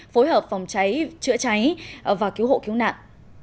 phối hợp phòng cháy chữa cháy và cứu hộ cứu nạn